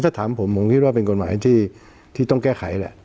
ถ้าถามผมผมว่าก็เป็นกฎหมายที่ต้องแก้ไข